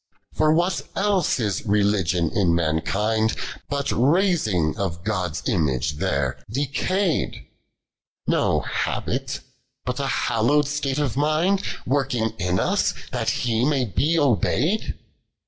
Fi>r what eUe is Beugios in mankind. fiat tai^g of Gdil's image there decay'd ? No habit, bnt a hallowed state of mind W\'rkiEj ia us, that He may be obey'd